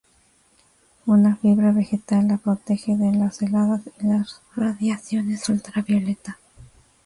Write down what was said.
Una fibra vegetal la protege de las heladas y las radiaciones ultravioleta.